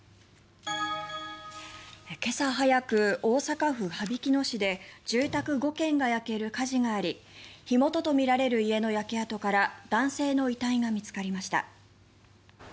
今朝早く、大阪府羽曳野市で住宅５軒が焼ける火事があり火元とみられる家の焼け跡から男性の遺体が見つかりました。